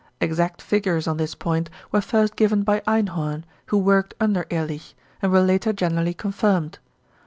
Exact figures on this point were first given by Einhorn, who worked under Ehrlich, and were later generally confirmed.